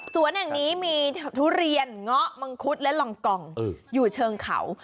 ส่วนอย่างนี้มีทุเรียนง็มังคุษและรองกองอยู่เชิงเขา